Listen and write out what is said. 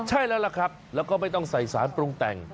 ใช่แล้วล่ะครับแล้วก็ไม่ต้องใส่สารปรุงแต่ง